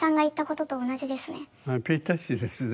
ぴったしですね。